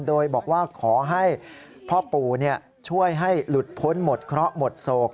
โดยบอกว่าขอให้พ่อปู่ช่วยให้หลุดพ้นหมดเคราะห์หมดโศก